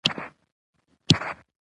مېلمانه چکر له راغلي دي